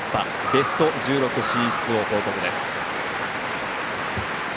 ベスト１６進出を報告です。